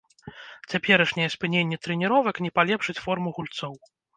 Цяперашняе спыненне трэніровак не палепшыць форму гульцоў.